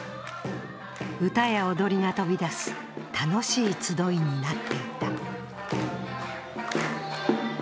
歌や踊りが飛び出す楽しい集いになっていた。